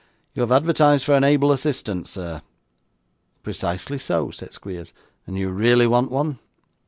You have advertised for an able assistant, sir?' 'Precisely so,' said Squeers. 'And you really want one?